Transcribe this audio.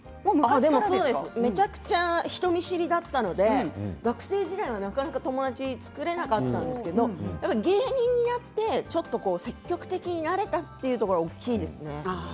めちゃくちゃ人見知りだったので学生時代は、なかなか友達作れなかったんですけど芸人になってちょっと積極的になれたというところが大きいですね。